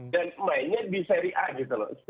dan mainnya di seri a gitu loh